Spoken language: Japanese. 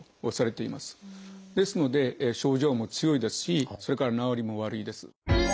ですので症状も強いですしそれから治りも悪いです。